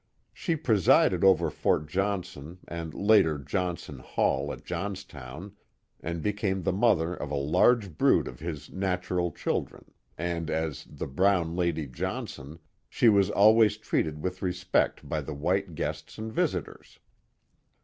She presided over Fort Johnson and later Johnson Hall at Johns town, and became the mother of a large brood of his natural children, and as the brown Lady Johnson she was always treated with respect by the white guests and visitors.